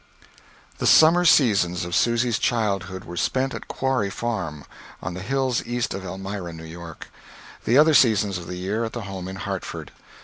The summer seasons of Susy's childhood were spent at Quarry Farm, on the hills east of Elmira, New York; the other seasons of the year at the home in Hartford.